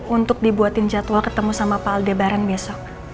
untuk dibuatin jadwal ketemu sama pak aldebaran besok